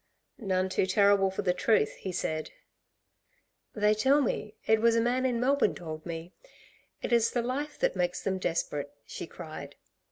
"None too terrible for the truth," he said. "They tell me it was a man in Melbourne told me it is the life makes them desperate," she cried.